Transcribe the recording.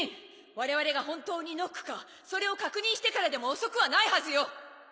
我々が本当にノックかそれを確認してからでも遅くはないはずよ！